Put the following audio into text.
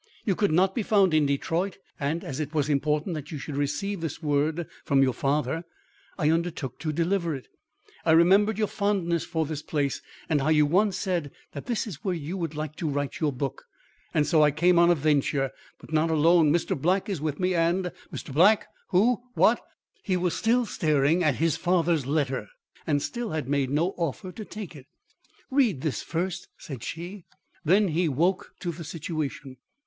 "You could not be found in Detroit and as it was important that you should receive this word from your father, I undertook to deliver it. I remembered your fondness for this place and how you once said that this is where you would like to write your book, and so I came on a venture but not alone Mr. Black is with me and " "Mr. Black! Who? What?" He was still staring at his father's letter; and still had made no offer to take it. "Read this first," said she. Then he woke to the situation.